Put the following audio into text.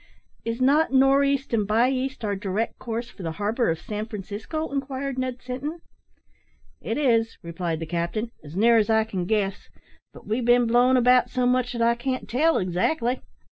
"Is not `nor' east and by east' our direct course for the harbour of San Francisco?" inquired Ned Sinton. "It is," replied the captain, "as near as I can guess; but we've been blown about so much that I can't tell exactly.